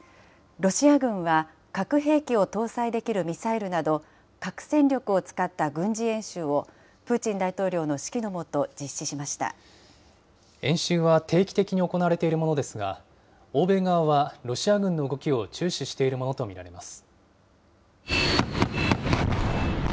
ロシア軍は核兵器を搭載できるミサイルなど、核戦力を使った軍事演習をプーチン大統領の指揮の下、実施しまし演習は定期的に行われているものですが、欧米側はロシア軍の動きを注視しているものと見られます。